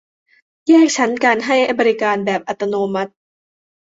แยกชั้นการให้บริการแบบอัตโนมัติ